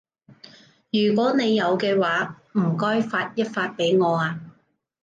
如果你有嘅話，唔該發一發畀我啊